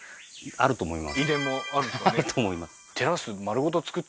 あると思います